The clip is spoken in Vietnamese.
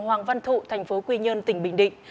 hoàng văn thụ tp quy nhơn tỉnh bình định